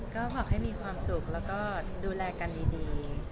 ก็ฝากให้มีความสุขแล้วก็ดูแลกันดี